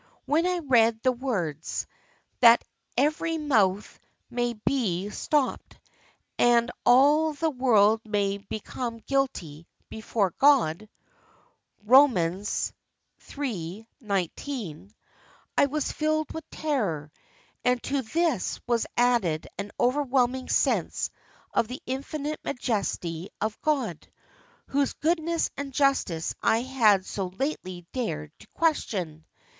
When I read the words, 'That every mouth may be stopped, and all the world may become guilty before God' (Rom. iii. 19), I was filled with terror, and to this was added an overwhelming sense of the infinite majesty of God, whose goodness and justice I had so lately dared to question.